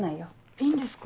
いいんですか？